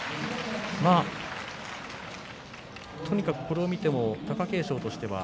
とにかく、これを見ても貴景勝としては